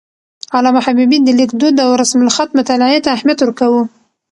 علامه حبيبي د لیک دود او رسم الخط مطالعې ته اهمیت ورکاوه.